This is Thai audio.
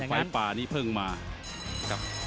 ไฟป่านี่เพิ่งมาครับ